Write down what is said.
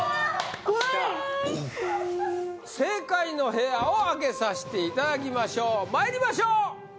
怖い正解の部屋を開けさしていただきましょうまいりましょう！